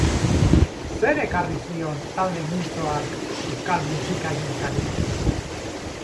Zer ekarri zion talde multzo hark euskal musikagintzari?